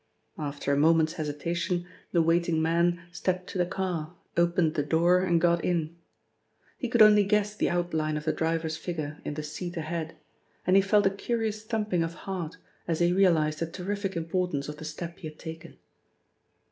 After a moment's hesitation the waiting man stepped to the car, opened the door, and got in. He could only guess the outline of the driver's figure in the seat ahead, and he felt a curious thumping of heart as he realised the terrific importance of the step he had taken.